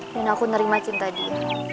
dan aku nerima cinta dia